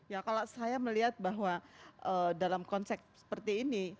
ya kalau saya melihat bahwa dalam konsep seperti ini